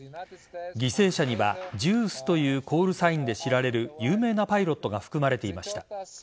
犠牲者にはＪＵＩＣＥというコールサインで知られる有名なパイロットが含まれていました。